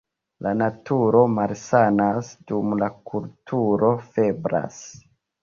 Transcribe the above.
La naturo malsanas, dum la kulturo febras.